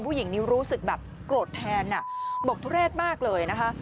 ผู้หญิงนี้รู้สึกแบบโกรธแทนบอกทุเรศมากเลยนะคะ